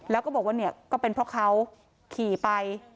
แล้วก็บอกว่าเนี่ยก็เป็นเพราะเขาขี่ไป